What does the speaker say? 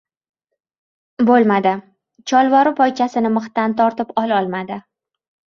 Bo‘lmadi, cholvori poychasini mixdan tortib ololmadi.